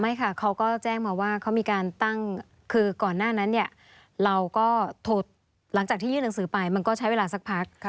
ค่ะเขาก็แจ้งมาว่าเขามีการตั้งคือก่อนหน้านั้นเนี่ยเราก็โทรหลังจากที่ยื่นหนังสือไปมันก็ใช้เวลาสักพัก